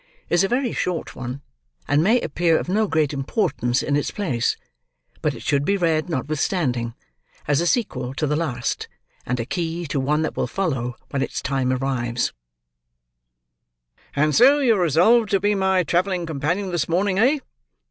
IS A VERY SHORT ONE, AND MAY APPEAR OF NO GREAT IMPORTANCE IN ITS PLACE, BUT IT SHOULD BE READ NOTWITHSTANDING, AS A SEQUEL TO THE LAST, AND A KEY TO ONE THAT WILL FOLLOW WHEN ITS TIME ARRIVES "And so you are resolved to be my travelling companion this morning; eh?"